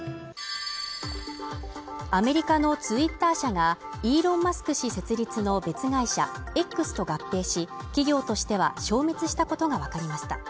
アメリカのツイッター社が、イーロン・マスク氏設立の別会社Ｘと合併し、企業としては消滅したことがわかりました。